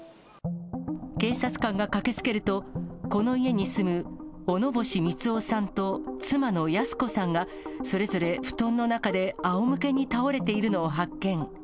警察官が駆けつけると、この家に住む、小野星三男さんと、妻の泰子さんが、それぞれ、布団の中であおむけに倒れているのを発見。